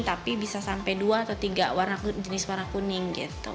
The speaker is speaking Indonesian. tapi bisa sampai dua atau tiga warna jenis warna kuning